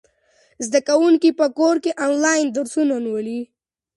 زده کوونکي په کور کې آنلاین درسونه لولي.